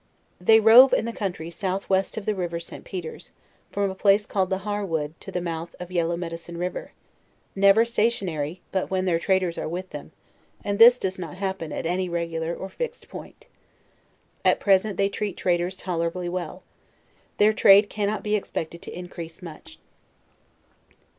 They rove in the country south west of the river St. Peters, from a place called the Hardwood* to the mouth of Yellow Medicine river: never stationary but when their traders are with them; and this does not happen at any regular or fixed point. At present they treat traders tolerably well. Their trade cannot be expected to increase much.